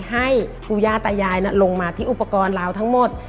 ให้ปู่ย่าตายายลงมาที่อุปกรณ์ลาวทั้งหมด